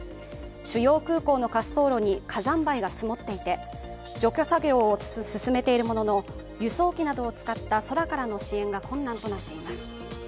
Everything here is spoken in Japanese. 主要空港の滑走路に火山灰が積もっていて除去作業を進めているものの、輸送機などを使った空からの支援が困難となっています。